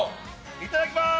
いただきます！